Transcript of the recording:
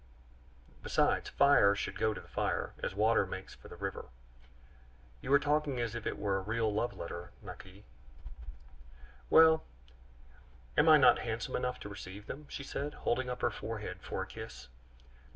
Besides, fire should go to the fire, as water makes for the river." "You are talking as if it were a real love letter, Naqui " "Well, am I not handsome enough to receive them?" she said, holding up her forehead for a kiss.